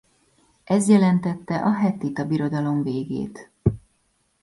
Ez jelentette a Hettita Birodalom végét.